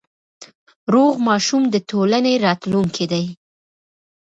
روغ ماشوم د ټولنې راتلونکی دی۔